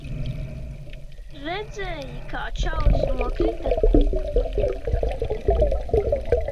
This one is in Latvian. Redzēji, kā čalis nokrita?